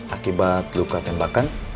akibat luka tembakan